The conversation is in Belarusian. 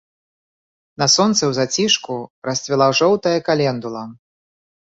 На сонцы ў зацішку расцвіла жоўтая календула.